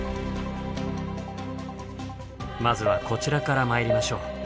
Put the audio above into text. まずはこちらから参りましょう。